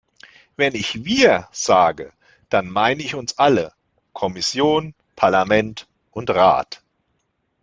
Wenn ich "wir" sage, dann meine ich uns alle –Kommission, Parlament und Rat.